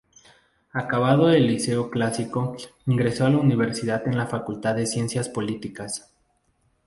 Acabado el liceo clásico, ingresó a la Universidad en la facultad de Ciencias Políticas.